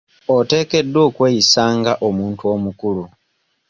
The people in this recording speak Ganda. Oteekeddwa okweyisa nga omuntu omukulu.